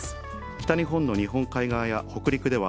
北日本の日本海側や北陸では、